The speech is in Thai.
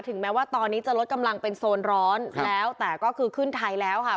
แม้ว่าตอนนี้จะลดกำลังเป็นโซนร้อนแล้วแต่ก็คือขึ้นไทยแล้วค่ะ